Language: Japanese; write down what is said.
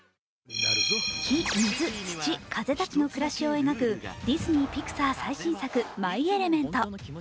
火・水・土・風たちの暮らしを描くディズニー・ピクサー最新作「マイ・エレメント」。